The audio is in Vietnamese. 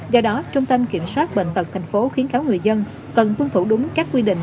do đó trung tâm kiểm soát bệnh tật tp hcm khuyến cáo người dân cần tuân thủ đúng các quy định